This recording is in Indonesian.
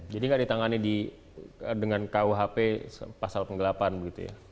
jadi nggak ditangani dengan kuhp pasal penggelapan begitu ya